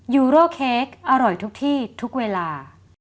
ยูโร่เค้กอร่อยทุกที่ทุกเวลา